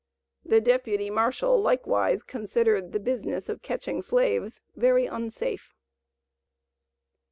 The Deputy Marshal likewise considered the business of catching slaves very unsafe.